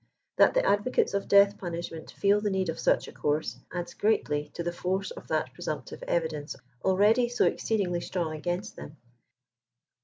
That the advocates of death^punishment feel the need of such a course, adds greatly to the force of that pre sumptive evidence already so exceedingly strong against them.